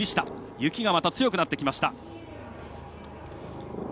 雪が、また強くなってきました。